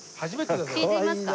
引いてみますか？